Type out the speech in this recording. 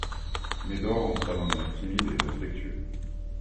Médor entra d'un air timide et respectueux.